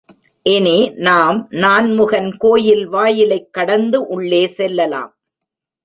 இனி நாம் நான்முகன் கோயில் வாயிலைக் கடந்து உள்ளே செல்லலாம்.